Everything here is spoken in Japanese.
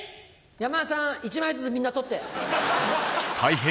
山田さん１枚ずつみんな取って。